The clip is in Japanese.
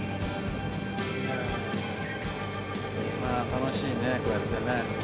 楽しいねこうやってね。